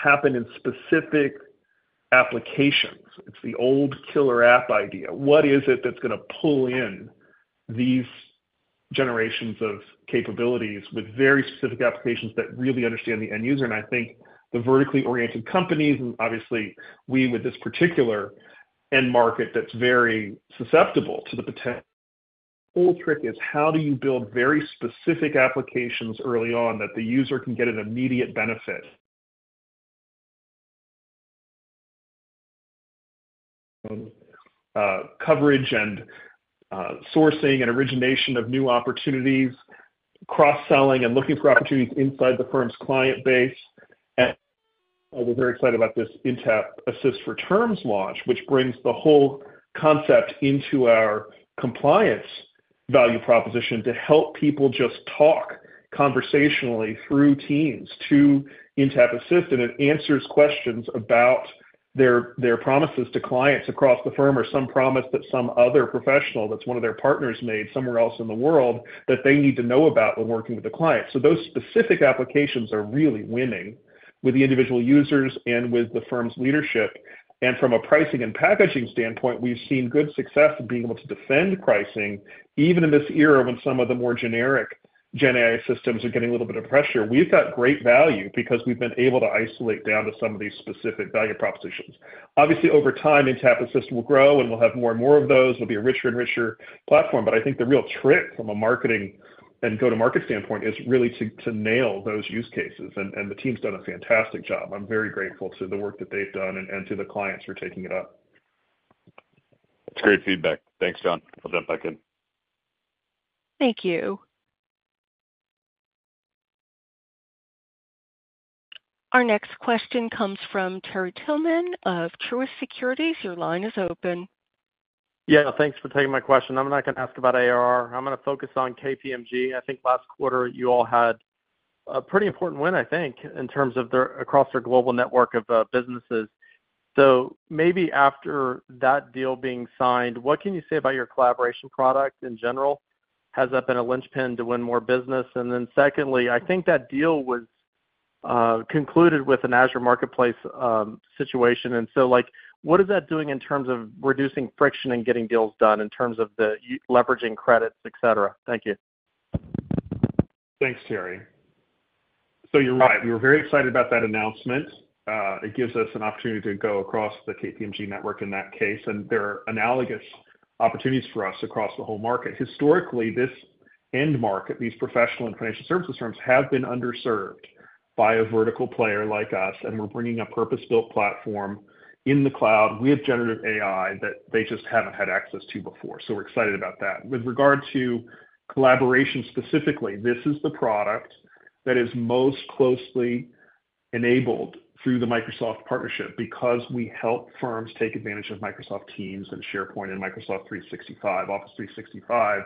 happen in specific applications. It's the old killer app idea. What is it that's going to pull in these generations of capabilities with very specific applications that really understand the end user? And I think the vertically oriented companies, and obviously we with this particular end market that's very susceptible to the potential. The whole trick is how do you build very specific applications early on that the user can get an immediate benefit? Coverage and sourcing and origination of new opportunities, cross-selling and looking for opportunities inside the firm's client base, and we're very excited about this Intapp Assist for Terms launch, which brings the whole concept into our compliance value proposition to help people just talk conversationally through Teams to Intapp Assist, and it answers questions about their promises to clients across the firm or some promise that some other professional that's one of their partners made somewhere else in the world that they need to know about when working with the client, so those specific applications are really winning with the individual users and with the firm's leadership. And from a pricing and packaging standpoint, we've seen good success in being able to defend pricing, even in this era when some of the more generic GenAI systems are getting a little bit of pressure. We've got great value because we've been able to isolate down to some of these specific value propositions. Obviously, over time, Intapp Assist will grow and we'll have more and more of those. It'll be a richer and richer platform. But I think the real trick from a marketing and go-to-market standpoint is really to nail those use cases. And the team's done a fantastic job. I'm very grateful to the work that they've done and to the clients who are taking it up. That's great feedback. Thanks, John. I'll jump back in. Thank you. Our next question comes from Terry Tillman of Truist Securities. Your line is open. Yeah. Thanks for taking my question. I'm not going to ask about ARR. I'm going to focus on KPMG. I think last quarter, you all had a pretty important win, I think, across their global network of businesses. So maybe after that deal being signed, what can you say about your collaboration product in general? Has that been a linchpin to win more business? And then secondly, I think that deal was concluded with an Azure Marketplace situation. And so what is that doing in terms of reducing friction and getting deals done in terms of leveraging credits, etc.? Thank you. Thanks, Terry. So you're right. We were very excited about that announcement. It gives us an opportunity to go across the KPMG network in that case, and there are analogous opportunities for us across the whole market. Historically, this end market, these professional and financial services firms have been underserved by a vertical player like us, and we're bringing a purpose-built platform in the cloud with generative AI that they just haven't had access to before. So we're excited about that. With regard to collaboration specifically, this is the product that is most closely enabled through the Microsoft partnership because we help firms take advantage of Microsoft Teams and SharePoint and Microsoft Office 365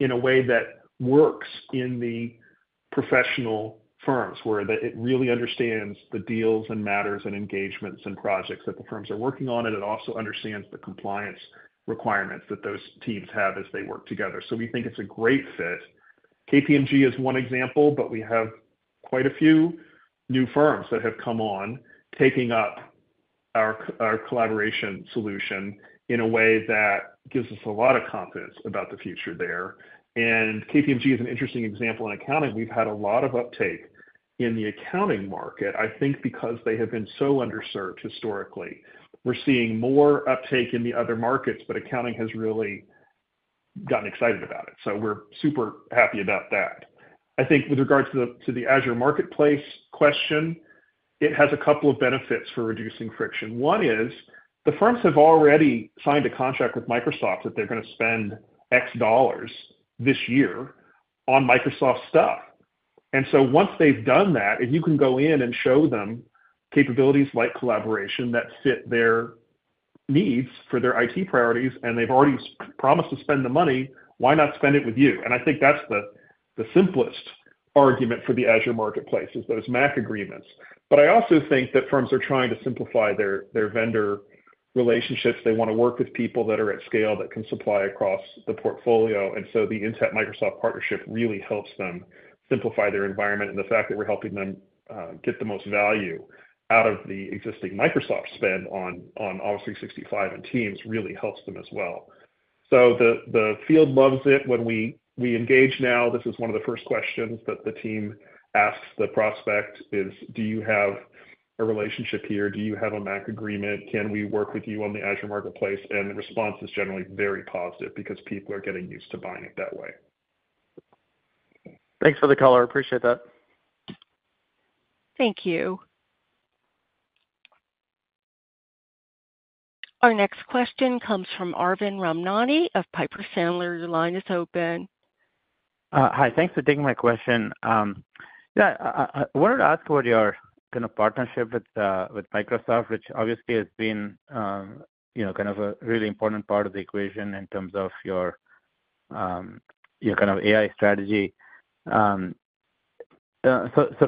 in a way that works in the professional firms where it really understands the deals and matters and engagements and projects that the firms are working on, and it also understands the compliance requirements that those teams have as they work together. So we think it's a great fit. KPMG is one example, but we have quite a few new firms that have come on taking up our collaboration solution in a way that gives us a lot of confidence about the future there. KPMG is an interesting example in accounting. We've had a lot of uptake in the accounting market, I think, because they have been so underserved historically. We're seeing more uptake in the other markets, but accounting has really gotten excited about it. We're super happy about that. I think with regards to the Azure Marketplace question, it has a couple of benefits for reducing friction. One is the firms have already signed a contract with Microsoft that they're going to spend $X this year on Microsoft stuff. And so once they've done that, if you can go in and show them capabilities like collaboration that fit their needs for their IT priorities, and they've already promised to spend the money, why not spend it with you? And I think that's the simplest argument for the Azure Marketplace: those MACC agreements. But I also think that firms are trying to simplify their vendor relationships. They want to work with people that are at scale that can supply across the portfolio. And so the Intapp Microsoft partnership really helps them simplify their environment. And the fact that we're helping them get the most value out of the existing Microsoft spend on Office 365 and Teams really helps them as well. So the field loves it. When we engage now, this is one of the first questions that the team asks the prospect is, "Do you have a relationship here? Do you have a MACC agreement? Can we work with you on the Azure Marketplace?" And the response is generally very positive because people are getting used to buying it that way. Thanks for the color. Appreciate that. Thank you. Our next question comes from Arvind Ramnani of Piper Sandler. Your line is open. Hi. Thanks for taking my question. Yeah. I wanted to ask about your kind of partnership with Microsoft, which obviously has been kind of a really important part of the equation in terms of your kind of AI strategy. So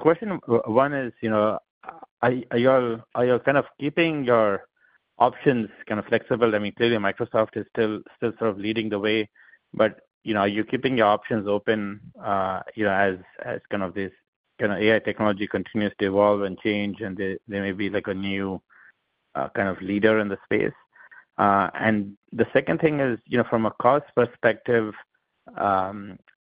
question one is, are you kind of keeping your options kind of flexible? I mean, clearly, Microsoft is still sort of leading the way, but are you keeping your options open as kind of this kind of AI technology continues to evolve and change, and there may be a new kind of leader in the space? And the second thing is, from a cost perspective,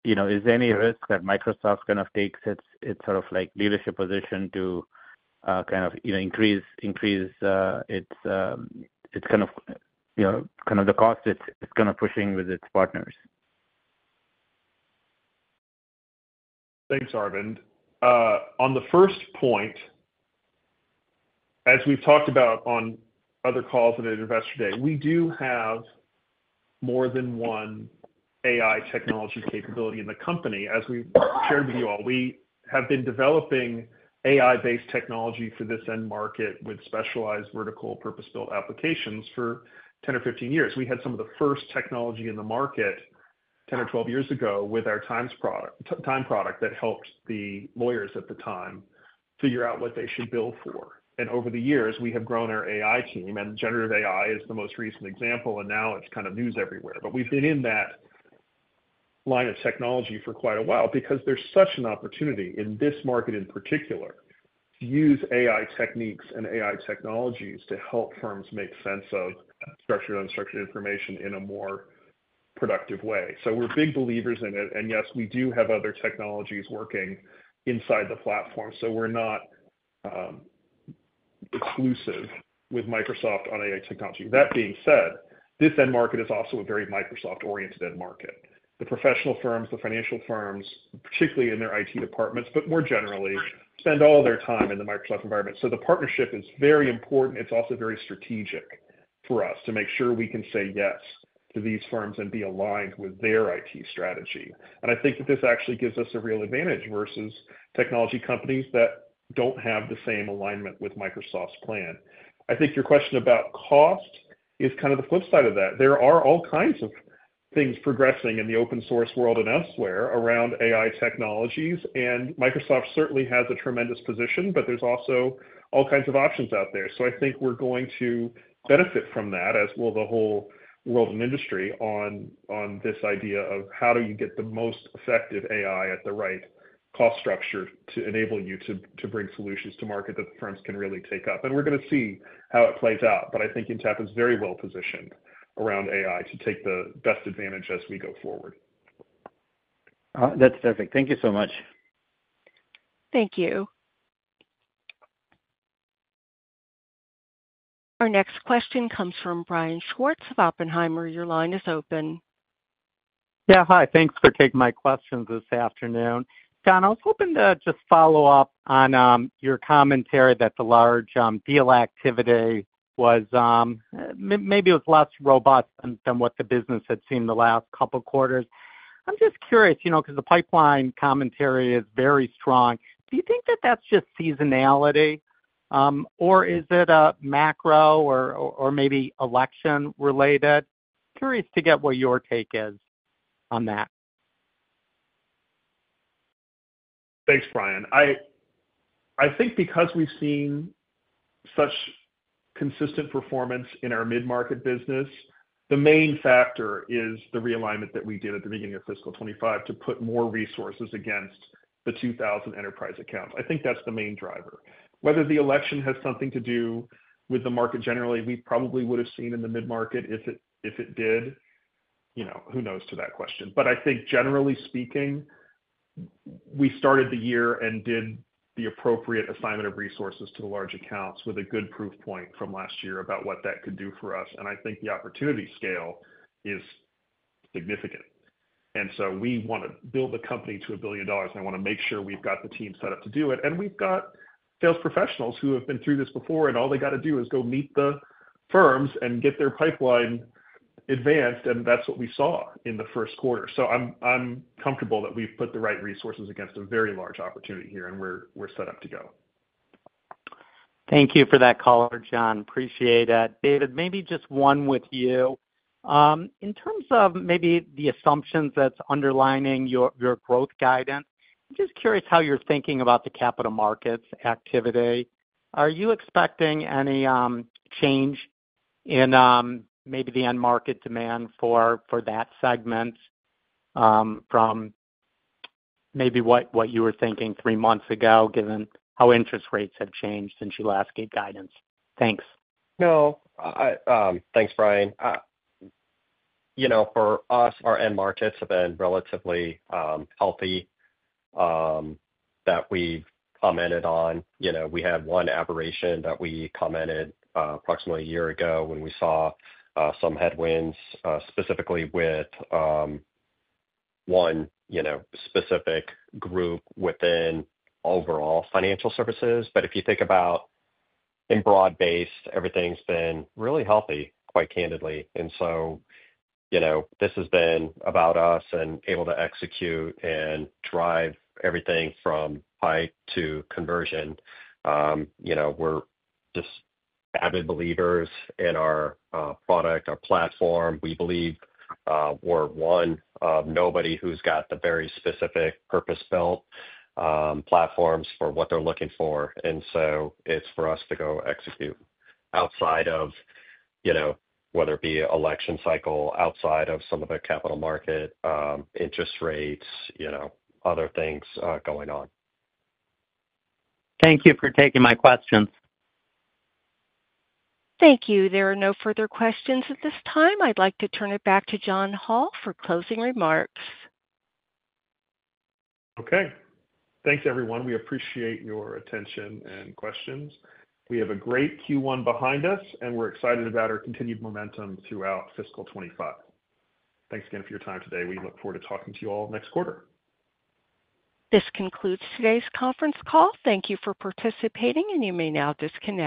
is there any risk that Microsoft kind of takes its sort of leadership position to kind of increase its kind of the cost it's kind of pushing with its partners? Thanks, Arvind. On the first point, as we've talked about on other calls at Investor Day, we do have more than one AI technology capability in the company. As we shared with you all, we have been developing AI-based technology for this end market with specialized vertical purpose-built applications for 10-15 years. We had some of the first technology in the market 10-12 years ago with our Time product that helped the lawyers at the time figure out what they should bill for. And over the years, we have grown our AI team, and generative AI is the most recent example, and now it's kind of news everywhere. But we've been in that line of technology for quite a while because there's such an opportunity in this market in particular to use AI techniques and AI technologies to help firms make sense of structured and unstructured information in a more productive way. So we're big believers in it. And yes, we do have other technologies working inside the platform. So we're not exclusive with Microsoft on AI technology. That being said, this end market is also a very Microsoft-oriented end market. The professional firms, the financial firms, particularly in their IT departments, but more generally, spend all their time in the Microsoft environment. So the partnership is very important. It's also very strategic for us to make sure we can say yes to these firms and be aligned with their IT strategy. And I think that this actually gives us a real advantage versus technology companies that don't have the same alignment with Microsoft's plan. I think your question about cost is kind of the flip side of that. There are all kinds of things progressing in the open-source world and elsewhere around AI technologies. And Microsoft certainly has a tremendous position, but there's also all kinds of options out there. So I think we're going to benefit from that, as will the whole world and industry on this idea of how do you get the most effective AI at the right cost structure to enable you to bring solutions to market that the firms can really take up. And we're going to see how it plays out. But I think Intapp is very well positioned around AI to take the best advantage as we go forward. That's perfect. Thank you so much. Thank you. Our next question comes from Brian Schwartz of Oppenheimer. Your line is open. Yeah. Hi. Thanks for taking my questions this afternoon. John, I was hoping to just follow up on your commentary that the large deal activity was maybe less robust than what the business had seen the last couple of quarters. I'm just curious because the pipeline commentary is very strong. Do you think that that's just seasonality, or is it macro or maybe election-related? Curious to get what your take is on that. Thanks, Brian. I think because we've seen such consistent performance in our mid-market business, the main factor is the realignment that we did at the beginning of fiscal 2025 to put more resources against the 2,000 enterprise accounts. I think that's the main driver. Whether the election has something to do with the market generally, we probably would have seen in the mid-market. If it did, who knows to that question. But I think, generally speaking, we started the year and did the appropriate assignment of resources to the large accounts with a good proof point from last year about what that could do for us. And I think the opportunity scale is significant. And so we want to build the company to $1 billion, and I want to make sure we've got the team set up to do it. And we've got sales professionals who have been through this before, and all they got to do is go meet the firms and get their pipeline advanced. And that's what we saw in the first quarter. So I'm comfortable that we've put the right resources against a very large opportunity here, and we're set up to go. Thank you for that color, John. Appreciate it. David, maybe just one with you. In terms of maybe the assumptions that's underlying your growth guidance, I'm just curious how you're thinking about the capital markets activity? Are you expecting any change in maybe the end market demand for that segment from maybe what you were thinking three months ago, given how interest rates have changed since you last gave guidance? Thanks. No. Thanks, Brian. For us, our end markets have been relatively healthy that we've commented on. We had one aberration that we commented approximately a year ago when we saw some headwinds, specifically with one specific group within overall financial services. But if you think about in broad base, everything's been really healthy, quite candidly. And so this has been about us and able to execute and drive everything from pipeline to conversion. We're just avid believers in our product, our platform. We believe we're one of nobody who's got the very specific purpose-built platforms for what they're looking for. And so it's for us to go execute outside of whether it be election cycle, outside of some of the capital market interest rates, other things going on. Thank you for taking my questions. Thank you. There are no further questions at this time. I'd like to turn it back to John Hall for closing remarks. Okay. Thanks, everyone. We appreciate your attention and questions. We have a great Q1 behind us, and we're excited about our continued momentum throughout fiscal 2025. Thanks again for your time today. We look forward to talking to you all next quarter. This concludes today's conference call. Thank you for participating, and you may now disconnect.